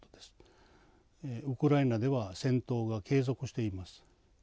ウクライナでは戦闘が継続しています。